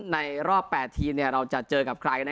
ในรอบแปดทีเนี่ยเราจะเจอกับใคร